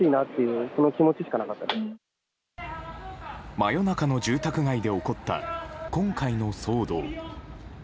真夜中の住宅街で起こった今回の騒動。